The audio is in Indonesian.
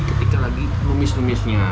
ketika lagi lumis lumisnya